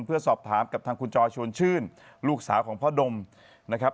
เพื่อสอบถามกับทางคุณจอยชวนชื่นลูกสาวของพ่อดมนะครับ